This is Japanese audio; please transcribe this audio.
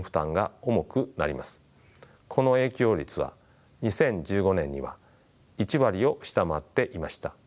この影響率は２０１５年には１割を下回っていました。